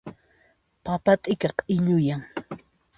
Papa t'ika q'illuyan.